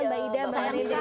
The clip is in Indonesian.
mbak ida sayang sekali ya